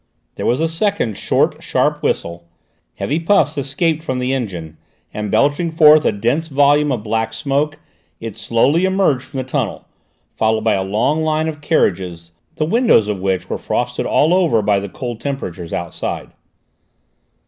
There was a second short, sharp whistle; heavy puffs escaped from the engine, and belching forth a dense volume of black smoke it slowly emerged from the tunnel, followed by a long train of carriages, the windows of which were frosted all over by the cold temperature outside.